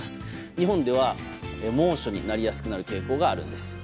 日本では猛暑になりやすくなる傾向があるんです。